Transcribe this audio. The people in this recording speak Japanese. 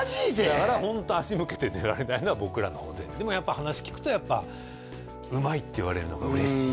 だからホント足向けて寝られないのは僕らの方ででもやっぱ話聞くと「うまい」って言われるのが嬉しい